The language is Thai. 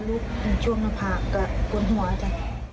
ลุกท่วมหน้าผากก็กล้วนหัวจ้ะ